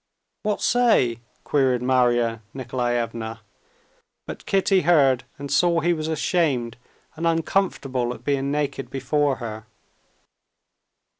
"What say?" queried Marya Nikolaevna. But Kitty heard and saw he was ashamed and uncomfortable at being naked before her.